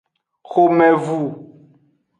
Xomevu.